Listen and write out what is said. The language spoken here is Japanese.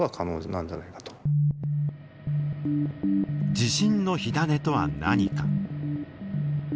地震の火種とは何か。